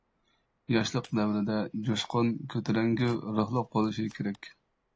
ياشلىق دەۋرىدە جۇشقۇن، كۆتۈرەڭگۈ، روھلۇق بولۇشى كېرەك.